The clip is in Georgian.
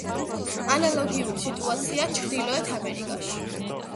ანალოგიური სიტუაციაა ჩრდილოეთ ამერიკაში.